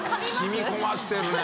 染み込ませてるね。